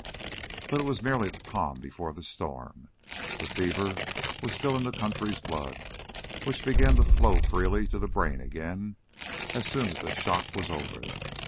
But it was merely the calm before the storm. The fever was still in the country's blood, which began to flow freely to the brain again as soon as the shock was over.